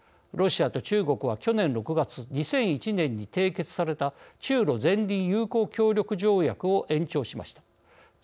ロシアと中国は去年６月２００１年に締結された中ロ善隣友好協力条約を延長しました。